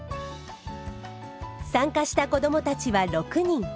参加した子どもたちは６人。